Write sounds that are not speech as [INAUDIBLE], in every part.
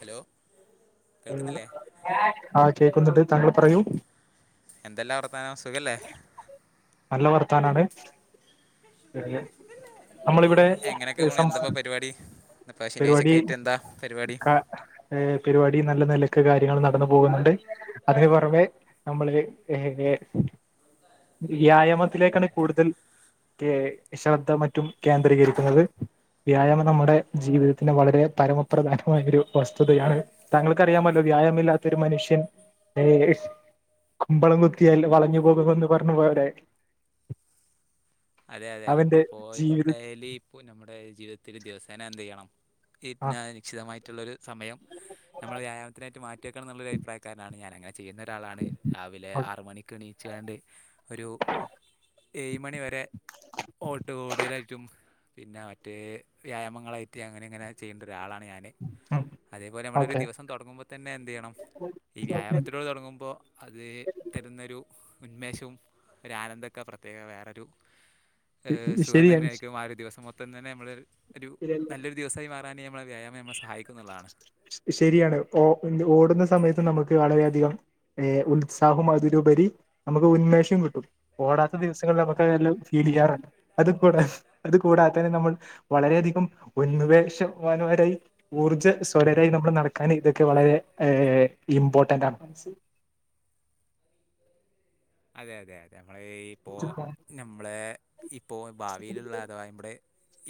Hello കേൾക്കുന്നില്ലേ ആ കേക്കുന്നുണ്ട് താങ്കൾ പറയൂ എന്തെല്ലാം വർത്താനം സുഖല്ലേ ആണാണ് [UNINTELLIGIBLE] നമ്മളിവിടെ എങ്ങനെയൊക്കെ ഏഹ് പോണ് സംസ് എന്താപ്പോ പരിപാടി ഇന്നിപ്പോ ശനിയാഴ്ചക്കെ പരിപാടി ആയിട്ട് എന്താ പരിപാടി ഏഹ് പരിപാടി നല്ല നെലക്ക് കാര്യ ങ്ങൾ നടന്ന്പോകുന്നോണ്ട് അതിന് പൊറമെ നമ്മള് ഏഹ് വ്യായാമത്തിലേക്കാണ് കൂടുതൽ കേ ശ്രദ്ധ മറ്റും കേന്ദ്രീകരിക്കുന്നത് വ്യായാമം നമ്മടെ ജീവിതത്തിന് വളരെ പരമപ്രധാനമായ ഒരു വസ്തുതയാണ് താങ്കൾക്ക് അറിയാമല്ലോ വ്യായാമം ഇല്ലാത്തൊരു മനുഷ്യൻ ഏഹ് കുമ്പളം കുത്തിയാൽ വളഞ്ഞു പോ കുമെന്ന് പറഞ്ഞുപോയവരെ അതെ അതെ ഞമ്മളിപ്പോ ഡെയിലി ഇപ്പ ഞമ്മടെ ജീവിതത്തില് ദിവസേന എന്ത് ചെയ്യണം ആ ഇക്നാനിക്ഷിതമായിട്ടുള്ളൊരു സമയം നമ്മള് വ്യായമത്തിനായിട്ട് മാറ്റിവെക്കണം ന്നുള്ള ഒരു അഭിപ്രായക്കാരനാണ് ഞാന് അങ്ങനെ ചെയ്യുന്നോരാളാണ് രാവിലെ ആറ് മണിക്ക് എണീ ചെയ്യണ്ട് ഒരു ഏയ് മണിവരെ പിന്നെ മറ്റേ വ്യായാമങ്ങളായിട്ട് അങ്ങനെ ഇങ്ങനെ ചെയ്യണ്ട് ഒരാളാണ് ഞാന് അതേപോലെ നമ്മളൊരു ഓക്കെ ദിവസം തൊടങ്ങു ന്നെ എന്ത് ചെയ്യണം ഈ വ്യായാമത്തിലോട് തൊടങ്ങുമ്പോ അത് തരുന്നൊരു ഉന്മേഷവും ഒരാനന്ദക്കെ പ്രത്യേക വേറൊരു ഏഹ് സുഖം തന്നെ ശരിയാണ് ആരിക്കും ആ ഒരു ദിവസം മൊത്തം തന്നെ നമ്മള് ഒരു നല്ലൊരു ദിവസായി മാറാൻ നമ്മളെ വ്യായാമം നമ്മളെ സഹായിക്കും എന്നുള്ളതാണ് ശരിയാണ് ഓ ഓടുന്ന സമയത്ത് നമുക്ക് വളരെയധികം ഏഹ് ഉത്സാഹവും അതിലുപരി നമുക്ക് ഉന്മേഷോം കിട്ടും ഓടാത്ത ദിവസങ്ങളിൽ നമുക്ക് [UNINTELLIGIBLE] ഫീല് ചെയ്യാറുണ്ട് അത് കുട അത്കൂടാത്തന്നെ നമ്മള് വളരെയധികം ഉന്മേഷവാൻ വരായി ഊർജ സ്വരരായി നമ്മള് നടക്കാൻ ഇതൊക്കെ വളരെ ഏഹ് ഇമ്പോർട്ടന്റ് ആണ്. അതെ അതെ അതെ നമ്മള് ഇപ്പോ ഞമ്മളെ ഇപ്പോ ബാവിലുള്ള അഥവാ ഇമ്മടെ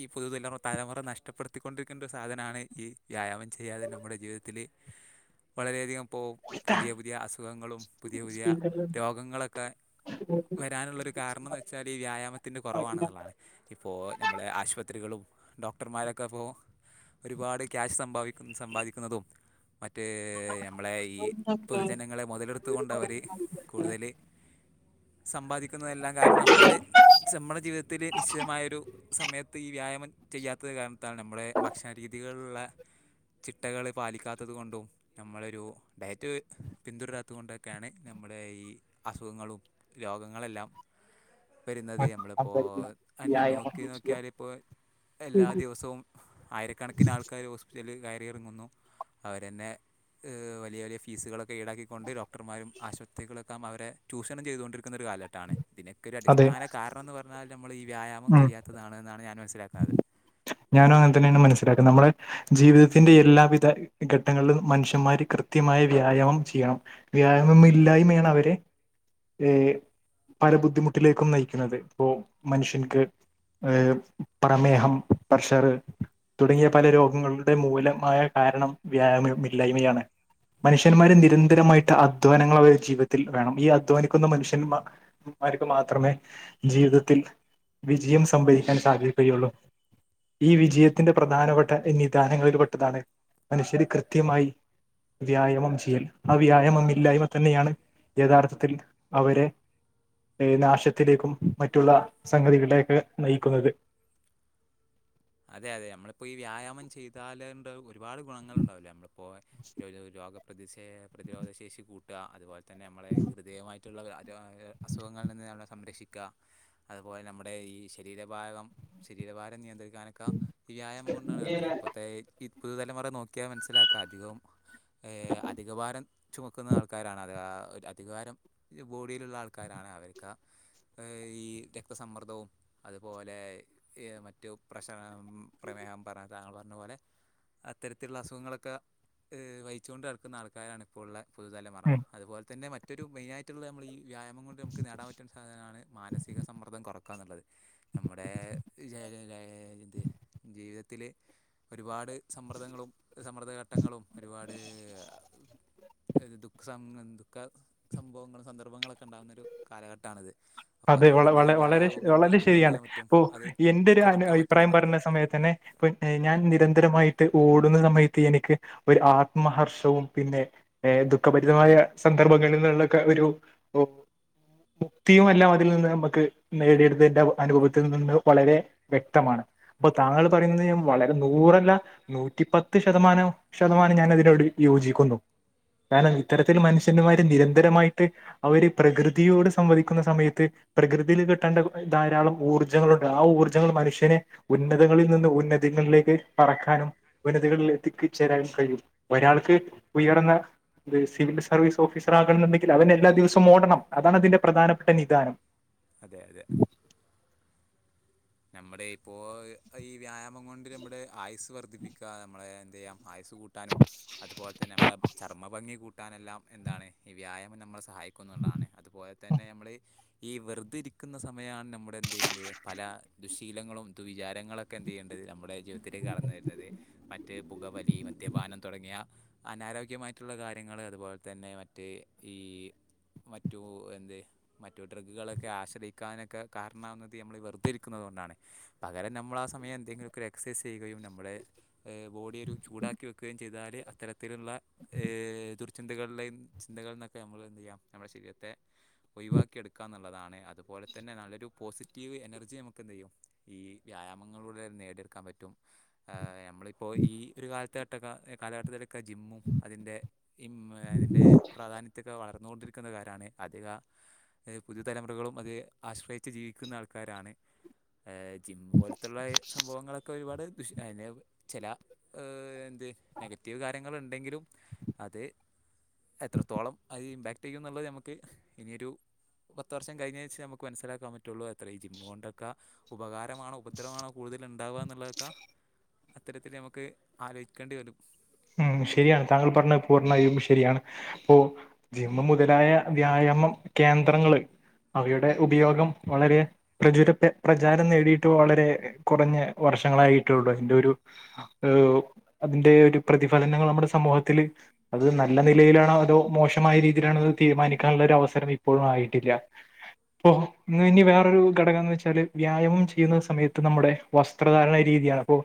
ഈ പുതുതല തലമുറ നഷ്ടപ്പെടുത്തിക്കൊണ്ടിരിക്കേണ്ട ഒരു സാധനാണ് ഈ വ്യായാമം ചെയ്യാതെ നമ്മുടെ ജീവിതത്തി ല് വളരെയധികം പോ പുതിയ പുതിയ അസുഖങ്ങളും പുതിയ പുതിയ സ്പീക്കറിൽ രോഗങ്ങളൊ വരാനൊള്ളൊരു കാരണംന്ന് വെച്ചാല് ഈ വ്യായാമത്തിന്റെ കൊറവാണെന്നുള്ളതാണ് ഇപ്പോ ഞമ്മള് ആശുപത്രി കളും ഡോക്ടർമാരൊക്കെ ഇപ്പോ ഒരുപാട് ക്യാഷ് സബ സമ്പാദിക്കുന്നതും മറ്റേ ഞമ്മളെ ഈ പൊതുജനങ്ങളെ മോതലെടുത്തുകൊണ്ടവര് കൂടുതല് സമ്പാദിക്കുന്നതെല്ലാം കാരണം നമ്മള് നമ്മടെ ജീവിതത്തില് നിശ്ചിതമായൊരു സമയത്ത് ഈ വ്യായാമം ചെയ്യാത്തത് കാരണത്തൽ ഞമ്മടെ ഭക്ഷണ രീതികൾള്ള ചിട്ടകള് പാലിക്കാത്തത് കൊണ്ടും ഞമ്മളൊരു ഡയറ്റ് പിന്തുടരാത്ത കൊണ്ടൊക്കെയാണ് ഞമ്മള് ഈ അസുഖങ്ങളും രോഗങ്ങളെല്ലാം വരുന്നത് ഞമ്മളിപ്പോ അതിനെ വ്യായാമം നോക്കി നോക്കിയാലിപ്പോ എല്ലാ ദിവസോം ആയിരക്കണക്കിന് ആൾക്കാര് ഹോസ്പിറ്റലില് ഇറങ്ങുന്നു അവരെന്നെ ഏഹ് വലിയവലിയ ഫീസുകളൊക്കെ ഈടാക്കിക്കൊണ്ട് ഡോക്ടർമാരും ആശുപത്രികളൊക്കെ ആവും അവരെ ചൂഷണം ചെയ്തുകൊണ്ടിരിക്കുന്ന ഒരു കാലഘട്ടാണ് ഇതിനൊക്കെ ഒരു അതെ അടിസ്ഥാന കാരണം ന്ന് പറഞ്ഞാൽ നമ്മൾ ഈ വ്യായാമം ഉം ചെയ്യാത്തതാണ് [UNINTELLIGIBLE] ഞാനും അങ്ങനെ തന്നെയാണ് മനസ്സിലാക്കും നമ്മെ ജീവിതത്തിന്റെ എല്ലാവിധ ഘട്ടങ്ങളിലും മനുഷ്യന്മാര് കൃത്യമായ വ്യായാമം ചെയ്യണം വ്യായാമം ഇല്ലായ്മയാണ് അവരെ പല ബുദ്ധിമുട്ടിലേക്കും നയിക്കുന്നത് ഇപ്പോ മനുഷ്യൻക്ക് ഏ പ്രമേഹം പ്രഷർ തുടങ്ങിയ പല രോഗങ്ങളുടെ മൂലമായ കാരണം വ്യായാമം ഇല്ലായിമയാണ് മനുഷ്യന്മാര് നിരന്തരമായിട്ട് അധ്വാനങ്ങൾ അവര് ജീവിതത്തിൽ വേണം ഈ അധ്വാനിക്കുന്ന മനുഷ്യന്മാ മാർക്ക് മാത്രമേ ജീവിതത്തിൽ വിജയം സംഭരിക്കാൻ സാധിക്കുകയുള്ളൂ. ഈ വിജയത്തിന്റെ പ്രധാനപ്പെട്ട എന്നദാനങ്ങളിൽ പെട്ടതാണ് മനുഷ്യര് കൃത്യമായി വ്യായാമം ചെയ്യൽ ആ വ്യായാമം ഇല്ലായ്മ തന്നെയാണ് യഥാർത്ഥത്തിൽ അവരെ നാശത്തിലേക്കും മറ്റുള്ള സംഗതികളേക്കെ നയിക്കുന്നത് അതെ അതെ നമ്മളിപ്പോൾ ഈ വ്യായാമം [UNINTELLIGIBLE] ഒരുപാട് ഗുണങ്ങൾ ഉണ്ടാവില്ലേ നമ്മളിപ്പോൾ രോഗ പ്രതിഷ പ്രതിരോധ ശേഷി കൂട്ടുക അതുപോലെ തന്നെ നമ്മളെ ഹൃദയമായിട്ട് മറ്റുള്ള അസുഖങ്ങളിൽ നിന്ന് നമ്മളെ സംരക്ഷിക്കുക അതുപോലെ നമ്മുടെ ഈ ശരീരഭാഗം ശരീരഭാരം നിയന്ത്രിക്കാനൊക്കെ ഈ വ്യായാമം കൊണ്ടാണ് നടക്കുന്നത് ഇപ്പോഴത്തെഈ പുതുതലമറ നോക്കി [UNINTELLIGIBLE] മനസ്സിലാക്കുക അധികവും അധിക ഭാരം ചുമക്കുന്ന ആൾക്കാരാണ് അത് അധികാരം ബോഡിയിലുള്ള ആൾക്കാരാണ് അവർക്ക് ഈ രക്തസമ്മർദ്ദവും അതുപോലെ മറ്റു പ്രഷർ പ്രമേഹം പറഞ്ഞ താങ്കൾ പർഞ്ഞപോലെ അത്തരത്തിലുള്ള അസുഖങ്ങളൊക്കെ വഹിച്ചുണ്ട് നടക്കുന്ന ആൾക്കാരാണ് ഇപ്പോൾ ഉള്ള പുതുതലമറ ഉം അതുപോലെ തന്നെ മറ്റൊരു മെയിനായിയിട്ടുള്ള നമ്മൾ ഈ വ്യായാമം കൊണ്ട് നമുക്ക് നേടാൻ പറ്റാവുന്ന സാധനാണ് മാനസിക സമ്മർദകുറക്കുക എന്നുള്ളത് നമ്മുടെ ജീവിതത്തില്ൽ ഒരുപാട് സമ്മർദ്ദങ്ങളും സമ്മർദ്ദ ഘട്ടങ്ങളും ഒരുപാട് [UNINTELLIGIBLE] ദുഃഖസ ദുഃഖ സംഭവങ്ങളും സന്ദർഭങ്ങളൊക്കെ ഉണ്ടാകുന്നൊരു കാലഘട്ടമാണിത് അപ്പോൾ അതെള അതുകൊണ്ട് തന്നെ വള ഈ വളരെ വ്യായാമം കൊണ്ട് വളരെ നമുക്ക് എന്ത് ശരിയാണ് ചെയ്യാൻ പറ്റും അപ്പ അത് എന്റെ ഒരുന കുറക്കാൻ പറ്റും അഭിപായം എന്നുള്ളതാണ് പറഞ്ഞ സമയത്ത് തന്നെ ഞാൻ നിരന്തര മായിട്ട് ഓടുന്ന സമയത്ത് എനിക്ക് ഒരു ആത്മഹർഷവും പിന്നെ ദുഃഖഭരിതമായ സന്ദർഭങ്ങളിൽ മുക്തില്ല ൽ നി നമുക്ക് നേടിയെടുത്തിന്റെ അനുഭവത്തിൽ നിന്ന് വളരെ വ്യക്തമാണ് അപ്പൊ താങ്കൾ പറയുന്നത് വളരെ നൂറല്ല നൂറ്റിപ്പത്ത് ശതമാനം ശതമാനം ഞാൻ ഇതിനോട് യോജിക്കുന്നു കാരണം ഇത്തരത്തിൽ മനുഷ്യന്മാര് നിരന്തരമായിട്ട് അവര് പ്രകൃതിയോട് സംവദിക്കുന്ന സമയത്ത് പ്രകൃതിയിൽ കിട്ടേണ്ട ധാരാളം ഊർജ്ജങ്ങളുണ്ട് ആ ഊർജ്ജങ്ങൾ മനുഷ്യനെ ഉന്നതങ്ങളിൽ നിന്ന് ഉ [UNINTELLIGIBLE] കളിലേക്ക് പറക്കാനും വിനതികളിൽ എത്തിക്ക ചേരാനും കഴിയും ഒരാൾക്ക് ഉയർന്ന ഇത് സിവിൽ സർവീസ് ഓഫീസർ ആകണം എന്നുണ്ടെങ്കിൽ അവന് എല്ലാ ദിവസവും ഓടണം അതാണ് അതിന്റെ പ്രധാനപ്പെട്ട നിധാനം അതെ അതെ നമ്മുടെ ഇപ്പോ ഈ വ്യായാമം കൊണ്ട് നമ്മുടെ ആയുസ് വർ [UNINTELLIGIBLE] ദ്ധിപ്പിക്കുക നമ്മെ എന്തയ്യാം ആയസ്സ് കൂട്ടാനും അതുപോലെ തന്നെ നമ്മളുടെ ചർമ്മ ഭംഗി കൂട്ടാനെല്ലാം എന്താ ഈ വ്യായാമം നമ്മളെ സഹായിക്കുന്നുണ്ടാണ് അതുപോലെ തന്നെ നമ്മള് ഈ വെറുതെ ഇരിക്കുന്ന സമയമാണ് നമ്മുടെ എന്ത് ചെയ്യുന്നത് പല ദുശ്ശീലങ്ങളും ദുവിചാരങ്ങളൊക്കെ എന്ത് ചെയ്യേണ്ടത് നമ്മുടെ ജീവിതത്തിലൽ കടന്നു വരുന്നത് മറ്റ് പുകവലിയും മദ്യപാനം തുടങ്ങിയ അനാരോഗ്യമായിട്ടുള്ള കാര്യങ്ങൾ അതുപോലെ തന്നെ മറ്റേ ഈ മറ്റു എന്ത് മറ്റു ഡ്രഗ്ഗുകളൊക്കെ ആശ്രയിക്കാനൊക്കെ കാരണാവുന്നത് നമ്മൾ [INAUDIBLE] പകരം നമ്മൾ സമയം എന്തെങ്കിലും എക്സയ്‌സ് ചെയുകയും നമ്മുടെ ബോഡി ചൂടാക്കി വെക്കുകയും ചെയ്താൽ അത്തരത്തിലുള്ള ഈ ദുർചിന്തകളുടെയും ചിന്തകളന്നൊക്കെ നമ്മൾ എന്ത് ചെയ്യാം നമ്മുടെ ശരീരത്തെ ഒഴിവാക്കിയെടുക്കുക എന്നുള്ളതാണ് അതുപോലെ തന്നെ നല്ലൊരു പോസിറ്റീവ് എനർജി നമുക്ക് എന്ത് ചെയ്യും ഈ വ്യായാമങ്ങളിലൂടെ നേടിയെടുക്കാൻ പറ്റും നമ്മളിപ്പോ ഈ ഒരു കാലത്ത് കട്ടെ കാലഘട്ടത്തിലൊക്കെ ജിമ്മും അതിന്റെ അതിന്റെ പ്രാധാന്യമൊക്കെ വളർന്നുകൊണ്ടിരിക്ക രുന്ന കാരാണ് അധിക പുതിയ തലമുറകളും അത് ആശ്രയിച്ച് ജീവിക്കുന്ന ആൾക്കാരാണ് [INAUDIBLE] ജിം പോലത്തുള്ള സംഭവങ്ങളൊക്കെ ഒരുപാട് ദുഷ് ചില എന്ത് നെഗറ്റീവ് കാര്യങ്ങൾ ഉണ്ടെങ്കിലും അത് എത്രത്തോളം അത് ഇമ്പാക്ട് ചെയ്യ എന്നുള്ളത് നഞമ്മക്ക് ഇനിയൊരു പത്ത് വർഷം കഴിഞ്ഞ വെച്ച് നമുക്ക് മനസിലാക്കാൻ പറ്റുള്ളു അത്ര ജിം കൊണ്ട ഉപകാരമാണോ ഉപദ്രമാണോ കൂടുതൽ ഉണ്ടാവുക എന്നുള്ളതൊക്കെ അത്തരത്തിൽ നമുക്ക് ആലോചിക്കേണ്ടി വരും ഉം ശരിയാണ് താങ്കൾ പറഞ്ഞ പൂർണ്ണമായും ശരിയാണ് അപ്പോ ജിമ്മു മുതലായ വ്യായാമ കേന്ദ്രങ്ങള് അവയുടെ ഉപയോഗം വളരെ പ്രചര പ്രചാരം നേടിയിട്ടു വളരെ കുറഞ്ഞ വർഷങ്ങളായിട്ടുള്ളൂ അതിന്റെ ഒരു അതിന്റെ ഒരു പ്രതിഫലനങ്ങൾ നമ്മുടെ സമൂഹത്തില് അത് നല്ല നിലയിലാണോ അതോ മോശമായ രീതിയിലണത് തീരുമാനിക്കാനുള്ള അവസരം ഇപ്പോഴും ആയിട്ടില്ല അപ്പോ ഇ ഇനി വേറൊരു ഘടകം എന്ന് വെച്ചാല് വ്യായാമം ചെയ്യുന്ന സമയത്ത് നമ്മുടെ വസ്ത്രധാരണ രീതി രീതി അപ്പോ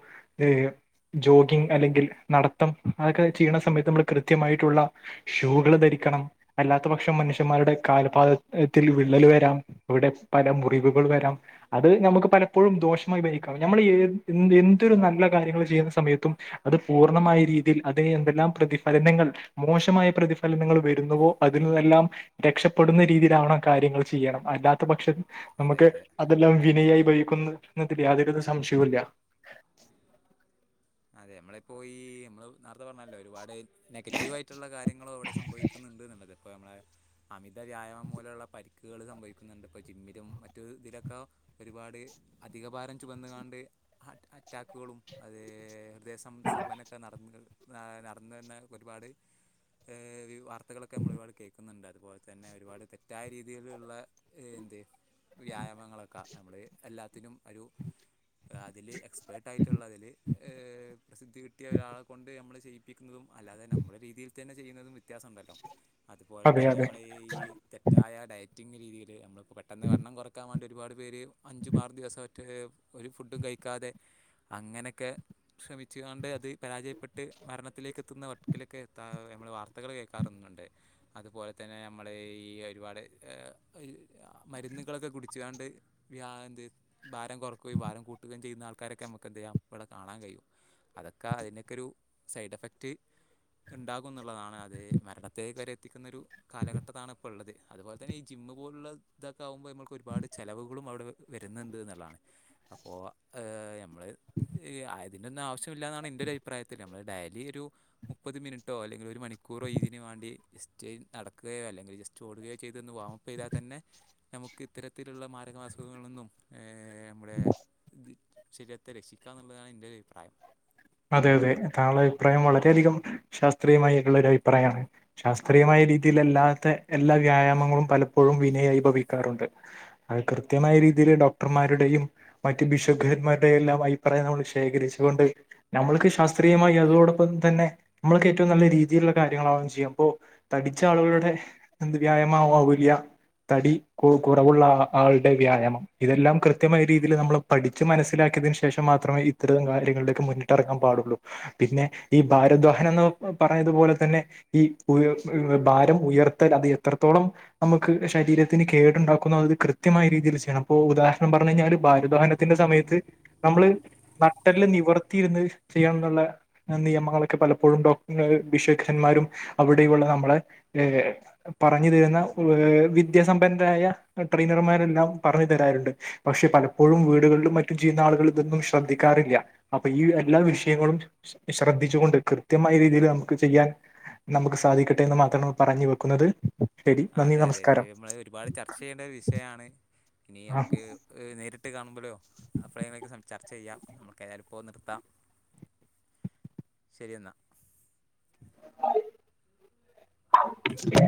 ജോഗിംഗ് അല്ലെങ്കിൽ നടത്തം അതൊക്കെ ചെയ്യണ സമയത്ത് നമ്മൾ കൃത്യമായിട്ടുള്ള ഷൂകൾ ധരിക്കണം അല്ലാത്ത പക്ഷം മനുഷ്യന്മാരുടെ കാലപാതത്തിൽ വിള്ളൽ വരാം ഇവിടെ പല മുറിവുകൾ വരാം അത് നമുക്ക് പലപ്പോഴും ദോഷമായി ഭരിക്കാം നമ്മൾ എന്തൊരു നല്ല കാര്യങ്ങൾ ചെയ്യുന്ന സമയത്തും അത് പൂർണമായ രീതിയിൽ അത് എന്തെല്ലാം പ്രതിഫലനങ്ങൾ മോശമായ പ്രതിഫലനങ്ങൾ വരുന്നുവോ അതില്ല എല്ലാം രക്ഷപ്പെടുന്ന രീതിയിലാവണം കാര്യങ്ങൾ ചെയ്യണം അല്ലാത്ത പക്ഷം അതെ നമുക്ക് അതെ അതെല്ലാം വിനയായി പോയി ക്കുന്നതിൽ യാതൊരുവിധ സംശയില്ല അതെ നമ്മളിപ്പോ ഈ നമ്മള് നേരത്തെ പറഞ്ഞല്ലോ ഒരുപാട് നെഗറ്റീവ് ആയിട്ടുള്ള കാര്യങ്ങളോ അവിടെ സംഭവിക്കുന്നുണ്ട് അ നല്ലത് ഇപ്പൊ നമ്മളെ അമിത വ്യായാമം മൂലമുള്ള പരിക്കുകൾ സംഭവിക്കുന്നുണ്ട് ഇപ്പോ ജിമ്മിലും മറ്റു ഇതിലൊക്കെ ഒരുപാട് അധിക ഭാരം ചുവന്ന കാണ്ട് അറ്റാക്കുകളും അതെ നിദേശം സമ്പന്നൊക്കെ നടന്ന നടന്ന തന്നെ ഒരുപാട് വാർത്തകളൊക്കെ നമ്മൾ ഒരുപാട് കേൾക്കുന്നുണ്ട് അതുപോലെ തന്നെ ഒരുപാട് തെറ്റായ രീതിയിലുള്ള ത് വ്യായാമങ്ങളൊക്കെ നമ്മൾ എല്ലാത്തിനും ഒരു അതിൽ എക്സ്പേർട്ടായിട്ടുള്ളതിൽ പ്രസിദ്ധി കിട്ടിയ ഒരാളെ കൊണ്ട് നമ്മളെ ചെയ്യിപ്പിക്കുന്നതും അല്ലാതെ നമ്മുടെ രീതിയിൽ തന്നെ ചെയ്യുന്നതും വ്യത്യാസം ഉണ്ടല്ലോ അതുപോലെ അതെ തന്നെ അതെ നമ്മൾ ഈ ഈ തെറ്റായ ഡയറ്റിങ്ങ് രീതിയിൽ നമ്മളിപ്പോൾ പെട്ടെന്ന് വണ്ണം കുറക്കാൻ വേണ്ടി ഒരുപാട് പേര് അഞ്ചു മാറും ദിവസങ്ങളിൽ ഒരു ഫുഡും കഴിക്കാതെ അങ്ങനെയൊക്കെ ശ്രമിച്ചുകൊണ്ട് അത് പരാജയപ്പെട്ട് മരണത്തിലേക്ക് എത്തുന്ന വക്കിലൊക്കെ എത്താ നമ്മൾ വാർത്തകൾ കേൾക്കാറുണ്ട് അതുപോലെ തന്നെ നമ്മുടെ ഈ ഒരുപാട് മരുന്നുകളൊക്കെ കുടിച്ച ണ്ട് എന്ത് ഭാരം കുറക്കുകയും ഭാരം കൂട്ടുകയും ചെയ്യുന്ന ആൾക്കാരൊക്കെ നമുക്ക് എന്ത് ചെയ്യാം ഇവിടെ കാണാൻ കഴിയും അതൊക്കെ അതിനൊക്കെ ഒരു സൈഡ് എഫക്ട് ഉണ്ടാകു എന്നുള്ളതാണ് അതെ മരണത്തേക്ക് വരെ എത്തിക്കുന്ന ഒരു കാലഘട്ടത്താണ് ഇപ്പോ ഉള്ളത് അതുപോലെ തന്നെ ഈ ജിം ഇ പോലുള്ള ഇതൊക്കെ ആകുമ്പോൾ നമ്മക്ക് ഒരുപാട് ചെലവുകളും അവിടെ വരുന്നുണ്ട് എന്നുള്ളതാണ് അപ്പോ ഞമ്മള് ആ അതിന്റെ ഒന്നും ആവശ്യമില്ലാന്നാണ് എന്റെ ഒരു അഭിപ്രായത്തിൽ നമ്മൾ ഡെയിലി ഒരു മുപ്പത് മിനിറ്റോ അല്ലെങ്കിൽ ഒരു മണിക്കൂറോ ഇതിന് വേണം വണ്ടി ജസ്റ്റ് നടക്കുകയോ അല്ലെങ്കിൽ ജസ്റ്റ് ഓടുകയോ ചെയ്തൊന്ന് വാംപ്പ് ചെയ്താൽ തന്നെ നമുക്ക് ഇത്തരത്തിലുള്ള മാരക അസുഖങ്ങള നിന്നും നമ്മുടെ [INAUDIBLE] ശരീരത്തെ രക്ഷിക്കായെന്നുള്ളതാണ് ഇന്റെ ഒരു അഭിപ്രായം അതെ അതെ താങ്കളുടെ അഭിപ്രായം വളരെയധികം ശാസ്ത്രീയമായിട്ടുള്ള ഒരു അഭിപ്രായമാണ് ശാസ്ത്രീയമായി- രീതിൽല്ലാത്ത എല്ലാ വ്യായാമങ്ങളും പലപ്പോഴും വിനഭവിക്കാറുണ്ട് അത് കൃത്യമായി- രീതിൽ ഡോക്ടർമാരുടെയും മറ്റു ബിഷബ്ന്മാരുടെയും എല്ലാം അഭിപ്രായം നമ്മള് ശേഖരിച്ചുകൊണ്ട്- നമ്മൾക്ക് ശാസ്ത്രീയമായി അതോടൊപ്പം തന്നെ നമ്മൾക്ക് ഏറ്റവും നല്ല രീതിയിലുള്ള കാര്യങ്ങളാവുകയും ചെയ്യാം അപ്പോ- പഠിച്ച ആളുകളുടെ എന്ത് വ്യായാമആവോ ആവോവില്ല തടി കു കുറവുള്ള ആള ആളുടെ വ്യായാമം ഇതെല്ലാം കൃത്യമായ രീതിയില് നമ്മള് പഠിച്ച് മനസ്സിലാക്കി- യതിനു ശേഷം മാത്രമേ ഇത്തരം കാര്യങ്ങളിലേക്ക് മുന്നി- ട്ട് ഇറങ്ങാൻ പാടുള്ളൂ പിന്നെ ഈ ഭാരദ്വാഹൻന്ന് പറഞ്ഞതുപോലെ തന്നെ ഈ [UNINTELLIGIBLE] ഭാരം ഉയർത്തൽ അത് എത്രത്തോളം നമുക്ക് ശരീരത്തിന് കേടുണ്ടാക്കുന്നത് അത് കൃത്യമായ രീതിയില് ചെ- യണം ഇപ്പോ ഉദാഹരണം പറഞ്ഞു കഴിഞ്ഞാല് ഭാരോദോഹനത്തിന്റെ സമയത്ത് നമ്മള് നട്ടല് നിവർ- ത്തിയിരുന്ന് ചെയ്യണമെന്നുള്ള നിയമങ്ങളൊക്കെ പലപ്പോഴും ഡോക്ടർമാരും ബിഷകന്മാരും അവിടെയുള്ള- നമ്മള് ഏഹ് പറഞ്ഞു തരുന്ന ഏഹ് വിദ്യാസമ്പന്നരായ ട്രെയിനർമാരെല്ലാം പറഞ്ഞു തരാറുണ്ട്. പക്ഷെ പലപ്പോഴും വീടുകളിലും മറ്റും ചെയ്യുന്ന ആളുകൾ ഇതൊന്നും ശ്രദ്ധിക്കാറില്ല. അപ്പോ ഈ എല്ലാ വിഷയങ്ങളും ശ്രദ്ധിച്ചുകൊണ്ട്, കൃത്യമായ രീതിയില് നമുക്ക് ചെയ്യാൻ നമുക്ക് സാധിക്കട്ടെ എന്ന് മാത്രമാണ് പറഞ്ഞു വെക്കുന്നത്. ശരി ആ നന്ദി അതെ അതെയതെ നമസ്കാരം നമ്മള് ഒരുപാട് ചർച്ച ചെയ്യേണ്ട വിഷയമാണ് ഇനി ആ നമുക്ക് ഏഹ് നേരിട്ട് കാണുമ്പളോ അപ്പോഴേങ്കിലുമൊക്കെ സംസാരി ചർച്ച ചെയ്യാം നമ്മുക്ക് ഏതാലുമിപ്പോ നിർത്താം. ശരി എന്നാ.